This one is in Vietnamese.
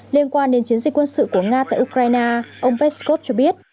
liên quan đến chiến dịch quân sự của nga tại ukraine ông peskov cho biết